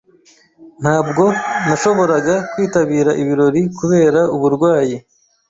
Ntabwo nashoboraga kwitabira ibirori kubera uburwayi.